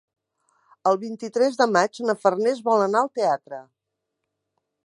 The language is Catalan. El vint-i-tres de maig na Farners vol anar al teatre.